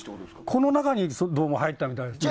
この中にどうも入ったみたいですね。